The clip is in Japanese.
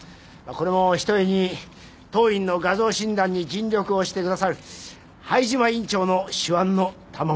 これもひとえに当院の画像診断に尽力をしてくださる灰島院長の手腕のたまものです。